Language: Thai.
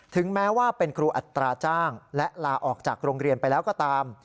แม้ว่าเป็นครูอัตราจ้างและลาออกจากโรงเรียนไปแล้วก็ตาม